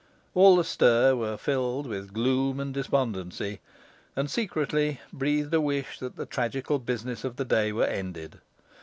All astir were filled with gloom and despondency, and secretly breathed a wish that, the tragical business of the day were ended.